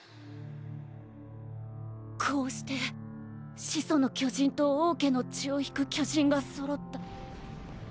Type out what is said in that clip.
「こうして始祖の巨人と王家の血を引く巨人が揃った」。